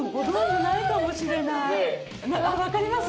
わかります？